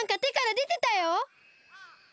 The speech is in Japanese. でてたね。